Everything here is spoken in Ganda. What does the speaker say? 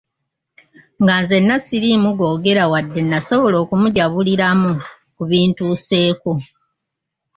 Nga nzenna siriimu googera wadde nasobola okumujabuliramu ku bintuuseeko.